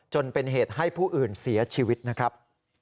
จนเป็นเหตุให้ผู้อื่นเสียชีวิตนะครับ